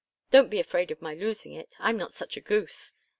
Don't be afraid of my losing it I'm not such a goose.